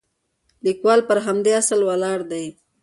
لیکوال پر همدې اصل ولاړ دی.